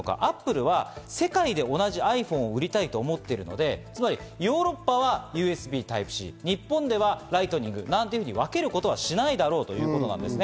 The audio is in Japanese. Ａｐｐｌｅは世界で同じｉＰｈｏｎｅを売りたいと思ってるのでヨーロッパはＵＳＢタイプＣ、日本ではライトニングっていうふうに分けることはしないだろうということです。